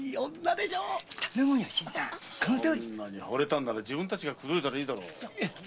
女に惚れたんなら自分たちが口説いたらいいだろう。